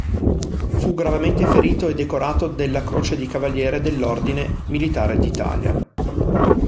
Fu gravemente ferito e decorato della Croce di Cavaliere dell'Ordine Militare d'Italia.